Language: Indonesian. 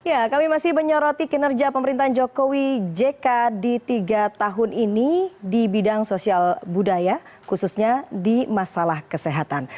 ya kami masih menyoroti kinerja pemerintahan jokowi jk di tiga tahun ini di bidang sosial budaya khususnya di masalah kesehatan